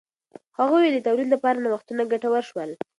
هغه وویل د تولید لپاره نوښتونه ګټور شول.